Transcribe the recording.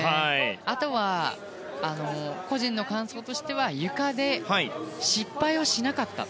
あとは、個人の感想としてはゆかで失敗をしなかった。